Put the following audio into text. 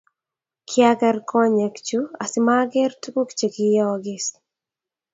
Kiaker konyekchu asimaker tuguk chekiyookis